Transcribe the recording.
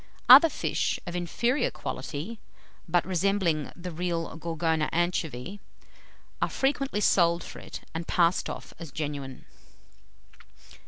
Other fish, of inferior quality, but resembling the real Gorgona anchovy, are frequently sold for it, and passed off as genuine.